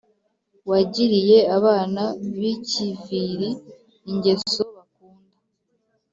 wagiriye abana b'i kiviri ingeso bakunda.